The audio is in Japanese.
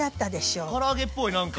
ほんとだから揚げっぽい何か。